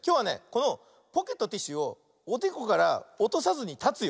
このポケットティッシュをおでこからおとさずにたつよ。